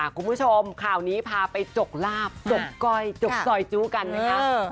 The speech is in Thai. คุณผู้ชมข่าวนี้พาไปจกลาบจกก้อยจกซอยจู้กันนะคะ